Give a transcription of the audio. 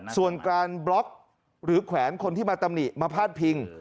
ส่วนการบล็อกหรือแขวนคนที่มาตำหนิมาพาดพิง